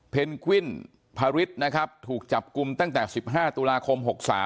เพนกวิ่นภาริชนะครับถูกจับกลุ่มตั้งแต่๑๕ตุลาคม๖๓